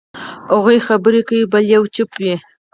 هغوی خبرې کوي، بل یې چوپ وي.